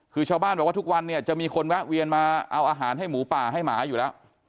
คือชาวบ้านบอกว่าทุกวันเนี่ยจะมีคนแวะเวียนมาเอาอาหารให้หมูป่าให้หมาอยู่แล้ว